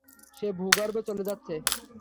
সে ভূগর্ভে চলে যাচ্ছে।